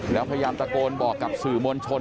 แล้วพยายามตะโกนบอกกับสื่อมวลชน